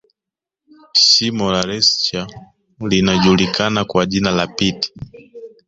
Shimo la reusch linajulikana kwa jina la pit